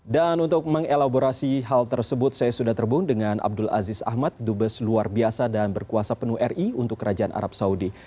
dan untuk mengelaborasi hal tersebut saya sudah terbung dengan abdul aziz ahmad dubes luar biasa dan berkuasa penuh ri untuk kerajaan arab saudi